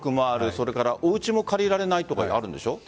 それからおうちも借りられないとかあるんでしょう。